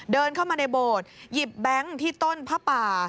เดินเข้ามาในโบสถ์หยิบแบงค์ที่ต้นผ้าป่า